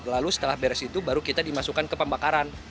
lalu setelah beres itu baru kita dimasukkan ke pembakaran